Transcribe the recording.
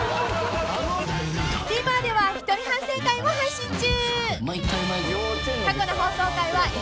［ＴＶｅｒでは一人反省会も配信中］